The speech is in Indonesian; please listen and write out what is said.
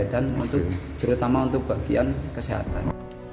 dan terutama untuk bagian kesehatan